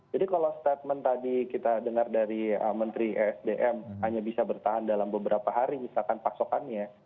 jadi kalau statement tadi kita dengar dari menteri esdm hanya bisa bertahan dalam beberapa hari misalkan pasokannya